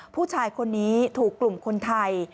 ผู้ชายคนนี้ถูกกลุ่มคนไทย